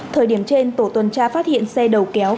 thời điểm trên tổ tuần tra phát hiện xe đầu kéo